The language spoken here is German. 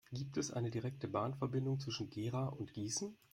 Gibt es eine direkte Bahnverbindung zwischen Gera und Gießen?